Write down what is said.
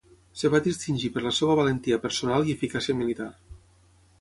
Es va distingir per la seva valentia personal i eficàcia militar.